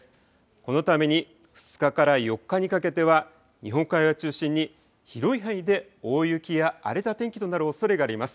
このために、２日から４日にかけては、日本海側を中心に広い範囲で大雪や荒れた天気となるおそれがあります。